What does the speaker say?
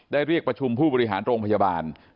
เรียกประชุมผู้บริหารโรงพยาบาล